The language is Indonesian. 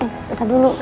eh nanti dulu